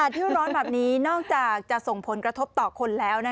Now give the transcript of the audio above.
ที่ร้อนแบบนี้นอกจากจะส่งผลกระทบต่อคนแล้ว